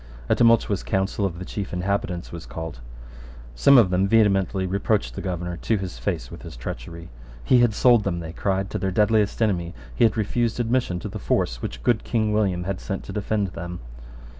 A tumultuous council of the chief inhabitants was called. Some of them vehemently reproached the Governor to his face with his treachery. He had sold them, they cried, to their deadliest enemy: he had refused admission to the force which good King William had sent to defend them.